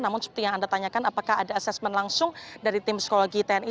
namun seperti yang anda tanyakan apakah ada asesmen langsung dari tim psikologi tni